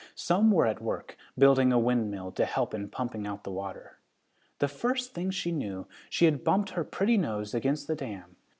Some were at work, building a windmill to help in pumping out the water. The first thing she knew she had bumped her pretty nose against the dam.